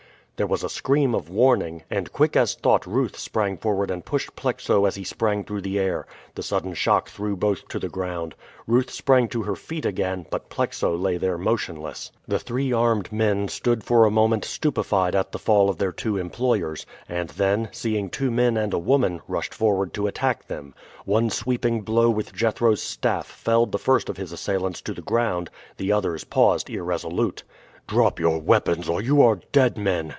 There was a scream of warning, and quick as thought Ruth sprang forward and pushed Plexo as he sprang through the air. The sudden shock threw both to the ground. Ruth sprang to her feet again, but Plexo lay there motionless. The three armed men stood for a moment stupefied at the fall of their two employers, and then, seeing two men and a woman, rushed forward to attack them. One sweeping blow with Jethro's staff felled the first of his assailants to the ground; the others paused irresolute. "Drop your weapons, or you are dead men!"